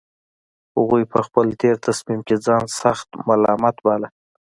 هغوی په خپل تېر تصميم کې ځان سخت ملامت باله